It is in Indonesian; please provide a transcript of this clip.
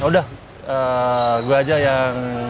udah gue aja yang